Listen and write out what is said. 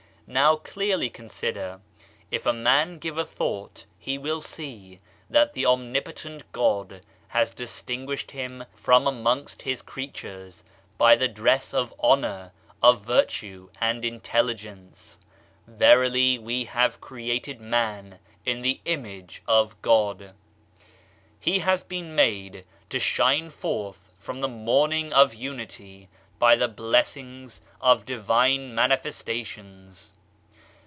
Now clearly consider I If a man give a thought, he will see, that the Omnipo tent God has distinguished him from amongst his creatures by the dress of honor, of virtue and in telligence. "Verily we have created man in the image of God." He has been made to shine forth from the morning of unity by the blessings of divine manifestations.